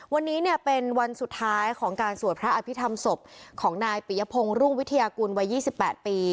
วันนี้เนี่ยเป็นวันสุดท้ายของการสวดพระอภิษฐรรมศพของนายปียพงศ์รุ่งวิทยากุลวัย๒๘ปี